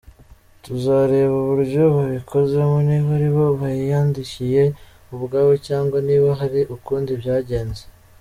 Tuzareba uburyo babikozemo niba aribo bayiyandikiye ubwabo cyangwa niba hari ukundi byagenze.